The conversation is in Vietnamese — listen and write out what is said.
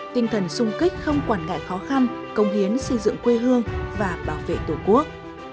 tinh thần sung kích không quản ngại khó khăn công hiến xây dựng quê hương và bảo vệ tổ quốc